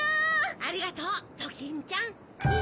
ありがとうドキンちゃん。え⁉え？